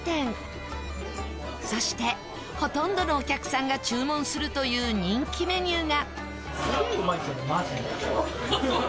そしてほとんどのお客さんが注文するという人気メニューが。